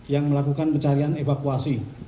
yang melakukan pencarian evakuasi